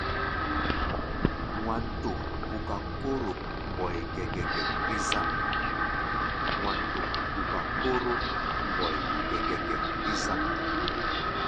Wanto ɓuka Kóro Mbóe gɛgɛgɛ é zân.